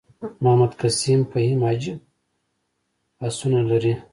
محمد قسیم فهیم عجیب هوسونه لري.